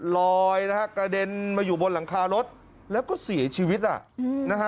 ลอยนะฮะกระเด็นมาอยู่บนหลังคารถแล้วก็เสียชีวิตอ่ะนะฮะ